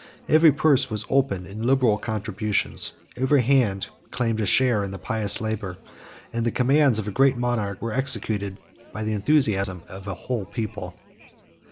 Every purse was opened in liberal contributions, every hand claimed a share in the pious labor, and the commands of a great monarch were executed by the enthusiasm of a whole people.